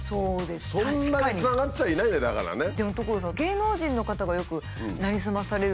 そんなにつながっちゃいないんだよだからね。